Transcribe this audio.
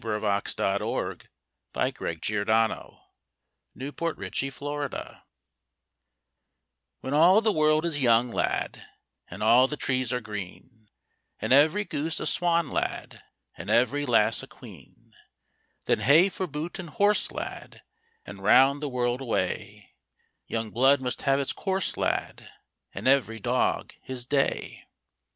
From The Water Babies. Eversley, 1862. YOUNG AND OLD When all the world is young, lad, And all the trees are green; And every goose a swan, lad, And every lass a queen; Then hey for boot and horse, lad, And round the world away; Young blood must have its course, lad, And every dog his day.